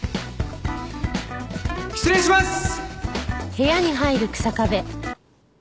失礼します！